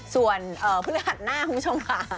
ส่วนพฤหัสหน้าคุณผู้ชมค่ะ